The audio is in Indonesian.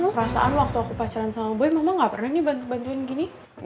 perasaan waktu aku pacaran sama boy mama nggak pernah ngebantuin gini